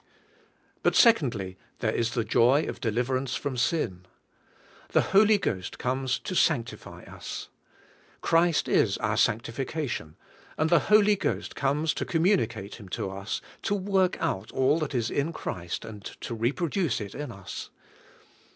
But secondly, there is the joy of deliverance from sin. The Holy Ghost comes to sanctify us. Christ is our sanctification, and the Holy Ghost comes to communicate Him to us, to work out all JO Y IN THE HOL V GHOST 137 that is in Christ and to reproduce it in us.